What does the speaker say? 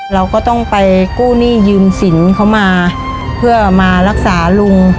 เราก็ต้องไปกู้หนี้ยืมสินเขามาเพื่อมารักษาลุง